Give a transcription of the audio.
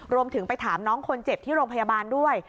รวมถึงไปถามน้องคนเจ็บที่โรงพยาบาลด้วย